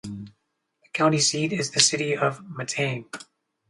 The county seat is the city of Matane.